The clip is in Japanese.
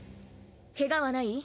ケガはない？